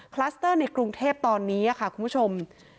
คลัสเตอร์ในกรุงเทพตอนนี้ค่ะคุณผู้ชม